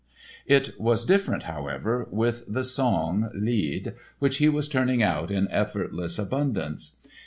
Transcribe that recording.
It was different, however, with the song (Lied) which he was turning out in effortless abundance.